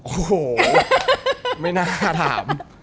โอ้โหไม่น่าถาม